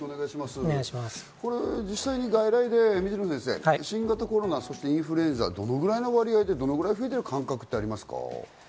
実際に外来で水野先生、新型コロナ、インフルエンザ、どのくらいの割合でどのくらい増えている感覚になりますか？